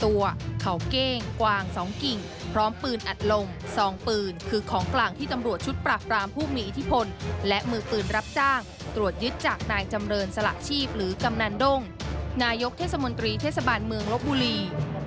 เวสบาลเมืองลบบุรี